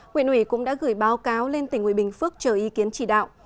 huyện ủy cũng đã gửi báo cáo lên tỉnh ủy bình phước chờ ý kiến chỉ đạo